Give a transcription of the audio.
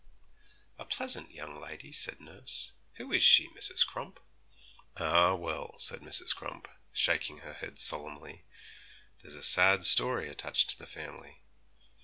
'A pleasant young lady,' said nurse; 'who is she, Mrs. Crump?' 'Ah, well,' said Mrs. Crump, shaking her head solemnly; 'there's a sad story attached to the family.